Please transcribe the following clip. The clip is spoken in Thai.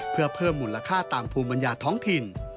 เพื่อเพิ่มมูลค่าตามภูมิปัญญาท้องถิ่น